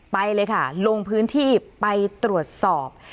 ไปเลยค่ะลงพื้นที่ไปตรวจสอบ